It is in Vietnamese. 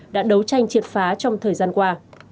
đã đấu tranh triệt phá trong thời gian qua